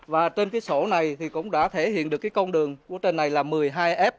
và trên cái sổ này thì cũng đã thể hiện được cái con đường của trên này là một mươi hai f